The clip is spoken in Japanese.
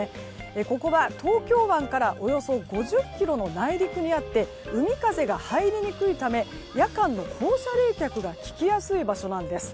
ここは東京湾からおよそ５０ｋｍの内陸にあって海風が入りにくいため夜間の放射冷却が利きやすい場所なんです。